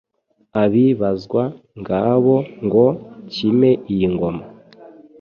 Ab’i Bazwa-ngabo Ngo: kime iyi ngoma